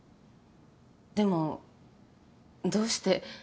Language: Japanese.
でもどうして。